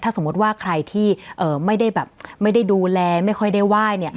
สมมติว่าใครที่ไม่ได้แบบไม่ได้ดูแลไม่ค่อยได้ไหว้เนี่ย